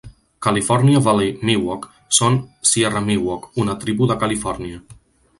California Valley Miwok són Sierra Miwok, una tribu de Califòrnia.